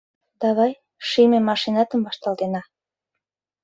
— Давай шийме машинатым вашталтена!